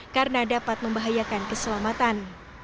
karena dapat membahayakan keselamatan